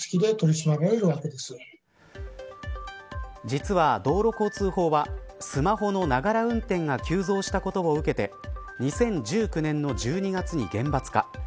実は道路交通法はスマホのながら運転が急増したことを受けて２０１９年の１２月に厳罰化。